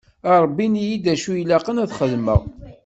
A Rebbi ini-yi-d acu ilaqen ad t-xedmeɣ.